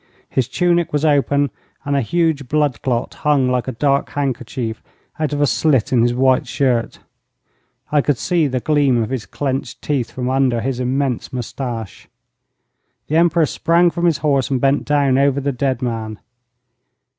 His tunic was open, and a huge blood clot hung like a dark handkerchief out of a slit in his white shirt. I could see the gleam of his clenched teeth from under his immense moustache. The Emperor sprang from his horse and bent down over the dead man.